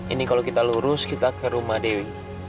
ini kalau kita lurus kita ke rumah dewi